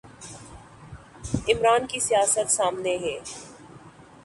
عمران کی سیاست سامنے ہے۔